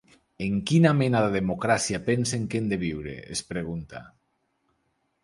En quina mena de democràcia pensen que hem de viure, es pregunta.